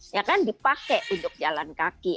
ya kan dipakai untuk jalan kaki